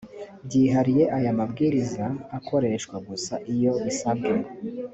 byihariye aya mabwiriza akoreshwa gusa iyo bisabwe